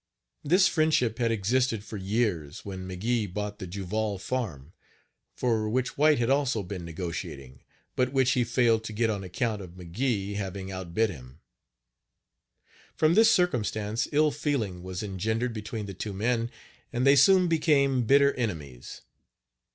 This friendship had existed for years, when McGee bought the Juval farm, for which White had also been negotiating, but which he failed to get on account of McGee having out bid him. From this circumstance ill feeling was engendered between the two men, and they soon became bitter enemies.